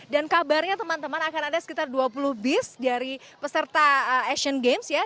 dan kabarnya teman teman akan ada sekitar dua puluh bis dari peserta asian games ya